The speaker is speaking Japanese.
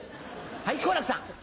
はい好楽さん。